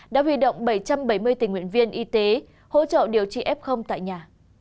đã huy động bảy trăm bảy mươi tình nguyện viên y tế hỗ trợ điều trị f tại nhà